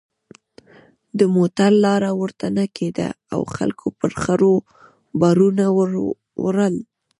د موټر لاره ورته نه کېده او خلکو پر خرو بارونه ور وړل.